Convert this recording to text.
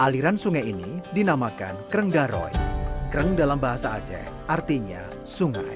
aliran sungai ini dinamakan kreng daroy kreng dalam bahasa aceh artinya sungai